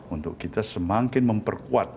untuk kita semakin memperkuat